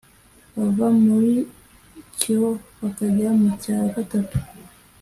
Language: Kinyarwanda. bava muri cyo bakajya mu cya gatatu